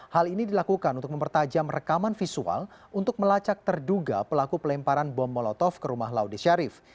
hal ini dilakukan untuk mempertajam rekaman visual untuk melacak terduga pelaku pelemparan bom molotov ke rumah laude sharif